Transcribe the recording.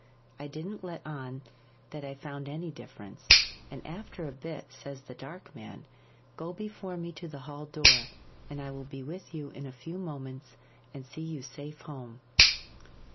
I didn't let on that I found any difference, and after a bit says the Dark Man, "Go before me to the hall door, and I will be with you in a few moments, and see you safe home."